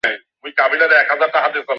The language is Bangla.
তার মাথায় অঙ্ক ছাড়া কিছুই নেই।